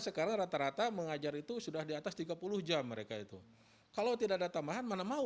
sekarang rata rata mengajar itu sudah di atas tiga puluh jam mereka itu kalau tidak ada tambahan mana mau